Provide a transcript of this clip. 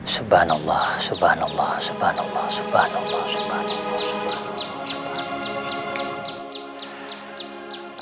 subhanallah subhanallah subhanallah subhanallah subhanallah subhanallah subhanallah